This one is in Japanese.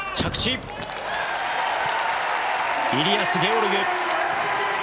イリアス・ゲオルグ。